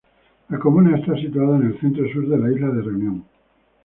La comuna está situada en el centro-sur de la isla de Reunión.